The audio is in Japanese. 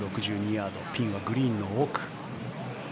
ヤードピンはグリーンの奥。